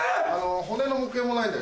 骨の模型もないんだ